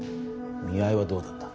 見合いはどうだった？